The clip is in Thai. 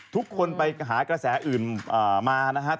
ทุกคนไปหากระแสอื่นมานะครับ